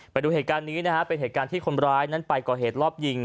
ไปดูเหตุการณ์นี้นะฮะเป็นเหตุการณ์ที่คนร้ายนั้นไปก่อเหตุรอบยิง